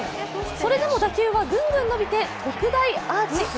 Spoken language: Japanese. それでも打球はグングン伸びて特大アーチ。